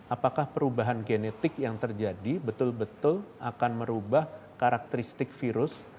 apakah perubahan genetik yang terjadi betul betul akan merubah karakteristik virus